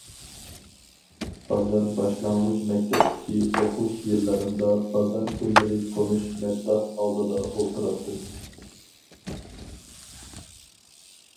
بازار باشلانغۇچ مەكتەپتىكى ئوقۇش يىللىرىمدا بازار كۈنلىرى تونۇش مەدداھ ئالدىدا ئولتۇراتتىم.